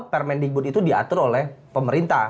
permending good itu diatur oleh pemerintah